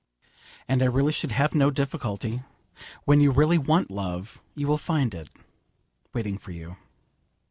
And I really shall have no difficulty. When you really want love you will find it waiting for you.